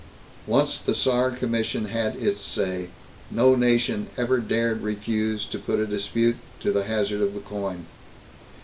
Once the Saar Commission had its say, no nation ever dared refuse to put a dispute to the hazard of the coin.